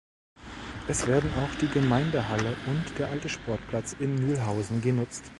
Es werden auch die Gemeindehalle und der alte Sportplatz in Mühlhausen genutzt.